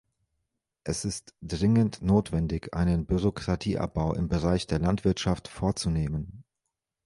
Es ist dringend notwendig, einen Bürokratieabbau im Bereich der Landwirtschaft vorzunehmen.